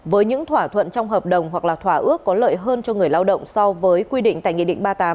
với những thỏa thuận trong hợp đồng hoặc là thỏa ước có lợi hơn cho người lao động so với quy định tại nghị định ba mươi tám